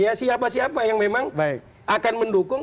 ya siapa siapa yang memang akan mendukung